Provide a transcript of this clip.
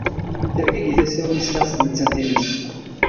Tergagi tasa-w mi sliɣ s tmettant-is.